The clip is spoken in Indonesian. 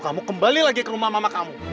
kamu kembali lagi ke rumah mama kamu